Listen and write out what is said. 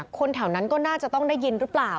คนแถวนั้นก็น่าจะต้องได้ยินหรือเปล่า